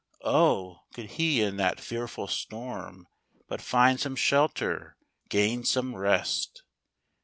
Oh! could he in that fearful storm But find some shelter, gain some rest!